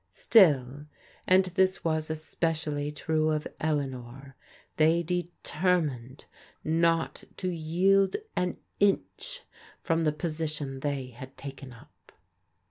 Still, and this was especially true of Eleanor, they determined not to yield an inch from the position they had taken up.